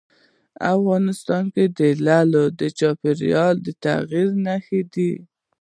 افغانستان کې لعل د چاپېریال د تغیر نښه ده.